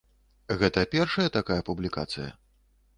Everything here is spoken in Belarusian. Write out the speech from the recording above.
Гэта першая такая публікацыя?